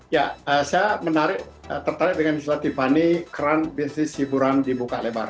ya saya menarik tertarik dengan misalnya tiffany keran bisnis hiburan dibuka lebar